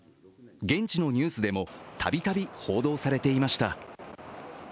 現地のニュースでもたびたび報道されていました。